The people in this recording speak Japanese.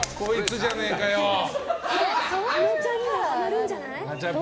あのちゃんにハマるんじゃない？